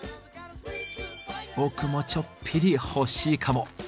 僕もちょっぴりほしいかも。